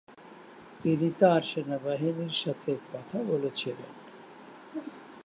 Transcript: তিনি তাঁর সেনাবাহিনীর সাথে কথা বলেছিলেন: